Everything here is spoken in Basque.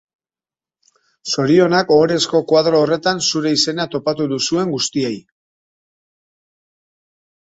Zorionak ohorezko koadro horretan zure izena topatu duzuen guztiei.